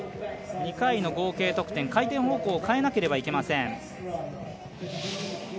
２回の合計得点、回転方向を変えなければいけません。